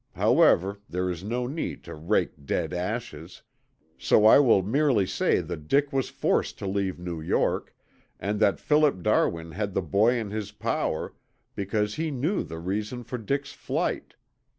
However, there is no need to rake dead ashes, so I will merely say that Dick was forced to leave New York and that Philip Darwin had the boy in his power because he knew the reason for Dick's flight.